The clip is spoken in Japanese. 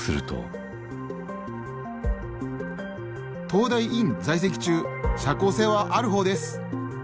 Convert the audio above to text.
「東大院在籍中社交性はある方です」